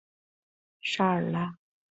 沙尔拉。